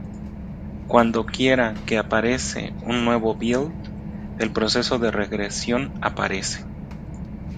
Cuando quiera que aparece un nuevo build, el proceso de regresión aparece.